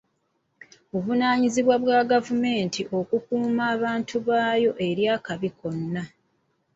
Buvunaanyizibwa bwa gavumenti okukuuma abantu baayo eri akabi konna.